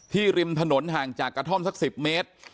ริมถนนห่างจากกระท่อมสัก๑๐เมตร